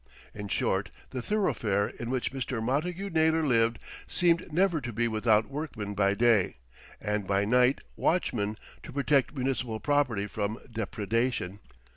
In short the thoroughfare in which Mr. Montagu Naylor lived seemed never to be without workmen by day, and by night watchmen to protect municipal property from depredation.